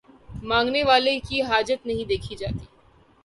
مانگنے والے کی حاجت نہیں دیکھی جاتی